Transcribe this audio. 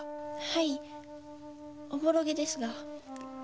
はいおぼろげですが。